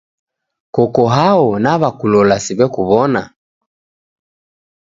Koko hao, naw'akulola siw'ekuw'ona?